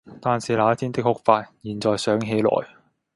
但是那天的哭法，現在想起來，